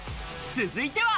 続いては。